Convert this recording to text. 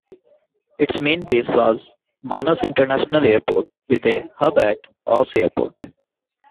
Its main base was Manas International Airport, with a hub at Osh Airport.